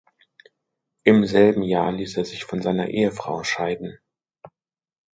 Im selben Jahr ließ er sich von seiner Ehefrau scheiden.